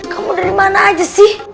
kamu dari mana aja sih